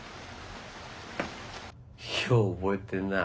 よう覚えてんな。